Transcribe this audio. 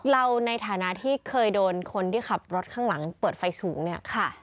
เราในฐานะที่เคยโดนคนที่ขับรถข้างหลังเปิดไฟสูงเนี่ยค่ะ